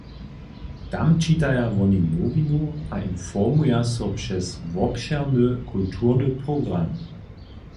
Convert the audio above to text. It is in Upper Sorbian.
Tam čitaja woni nowinu a informuja so přez wobšěrny kulturny program.